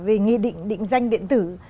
về nghị định định danh điện tử